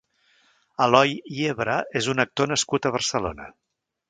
Eloi Yebra és un actor nascut a Barcelona.